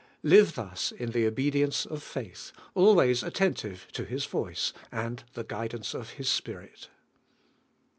Live lims in the obedience of faith, always atten tive to His voice, and the guidance of His Spirit.